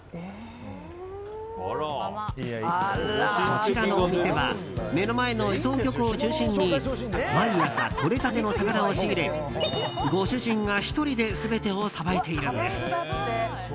こちらのお店は目の前の伊東漁港を中心に毎朝とれたての魚を仕入れご主人が１人で全てをさばいているんです。